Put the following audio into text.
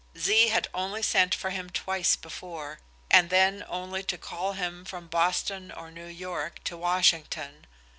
Z had only sent for him twice before, and then only to call him from Boston or New York to Washington.